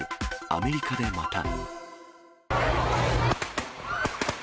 アメリカでまた。